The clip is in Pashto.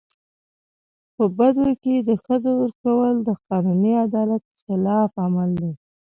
په بدو کي د ښځو ورکول د قانوني عدالت خلاف عمل دی.